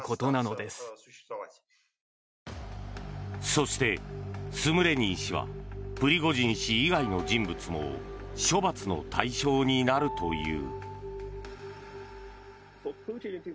そして、スムレニー氏はプリゴジン氏以外の人物も処罰の対象になるという。